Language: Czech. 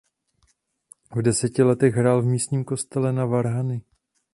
V deseti letech hrál v místním kostele na varhany.